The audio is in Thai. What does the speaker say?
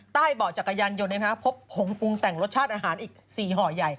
ใต้เบาะจักรยานยนต์เนี่ยนะฮะพบโผงปรุงแต่งรสชาติอาหารอีก๔ห่อใหญ่